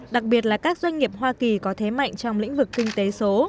đặc biệt là các doanh nghiệp hoa kỳ có thế mạnh trong lĩnh vực kinh tế số